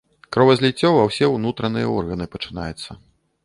Кровазліццё ва ўсе ўнутраныя органы пачынаецца.